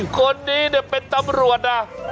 คนนี้เป็นตำรวจนะ